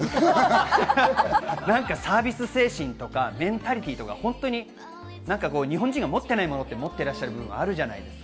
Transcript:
サービス精神とか、メンタリティーとか、日本人が持っていないものを持っていらっしゃる部分、あるじゃないですか。